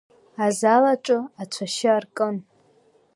Азал аҿы ацәашьы аркын.